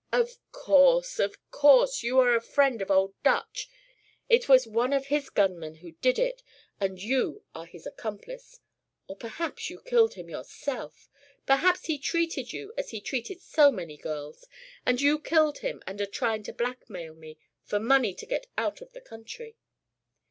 "Of course. Of course. You are a friend of Old Dutch. It was one of his gunmen who did it, and you are his accomplice. Or perhaps you killed him yourself. Perhaps he treated you as he treated so many girls, and you killed him and are trying to blackmail me for money to get out of the country."